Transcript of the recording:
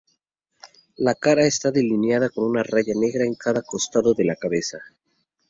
La cara está delineada con una raya negra en cada costado de la cabeza.